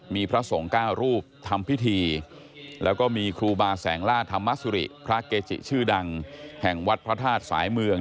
มีพระสงฆ์๙รูปทำพิธีแล้วก็มีครูบาแสงล่าธรรมสุริพระเกจิชื่อดังแห่งวัดพระธาตุสายเมือง